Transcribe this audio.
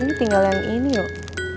ini tinggal yang ini loh